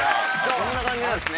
こんな感じなんですね。